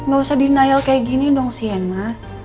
gak usah denial kayak gini dong sienna